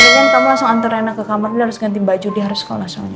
ambilin kamu langsung antur rena ke kamar dia harus ganti baju dia harus kelas soalnya